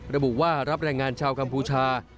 ระบุว่ารับแรงงานชาวกัมพูชา